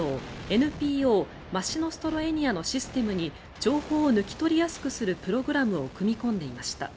ＮＰＯマシノストロエニヤのシステムに情報を抜き取りやすくするプログラムを組み込んでいました。